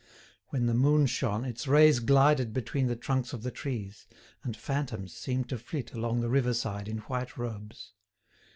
When the moon shone, its rays glided between the trunks of the trees, and phantoms seemed to flit along the river side in white robes.